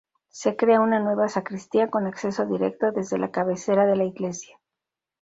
Se crea una nueva sacristía con acceso directo desde la cabecera de la iglesia.